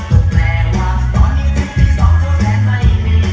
ก็แปลว่าตอนนี้จะมีสองคนแสนไม่มี